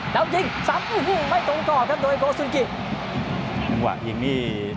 แล้วยิงไม่ตรงกรอบครับโดยโกสุนกิ